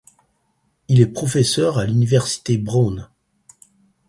Il est professeur à l'université Brown.